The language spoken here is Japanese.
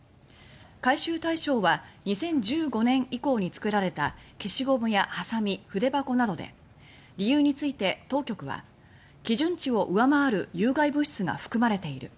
回収対象は２０１５年以降に作られた消しゴムやハサミ、筆箱などで理由について当局は「基準値を上回る有害物質が含まれている」